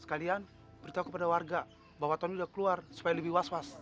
sekalian beritahu kepada warga bahwa ton ini sudah keluar supaya lebih was was